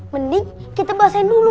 mending kita basahin dulu